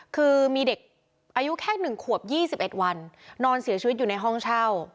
คือมีเด็กอายุแค่๑ขวบ๒๑วันนอนเสียชีวิตอยู่ในห้องเช่า